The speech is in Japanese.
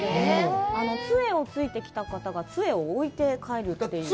つえをついてきた方がつえを置いて帰るっていう。